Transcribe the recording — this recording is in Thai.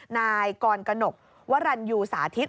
นายกรกนกวรรณยูสาธิต